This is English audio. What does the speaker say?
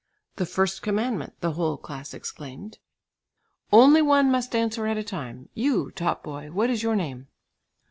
"The first commandment," the whole class exclaimed. "Only one must answer at a time. You, top boy what is your name?"